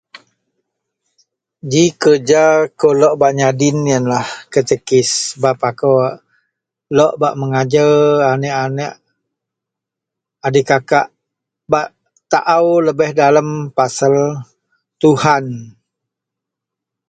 ji kerja kou lok ba nyadin, ienlah ketekis sebab akou lok bak megajer aneak-aneak, a dikakak bak taau lebih dalam pasal Tuhan